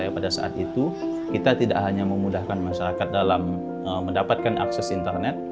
pada saat itu kita tidak hanya memudahkan masyarakat dalam mendapatkan akses internet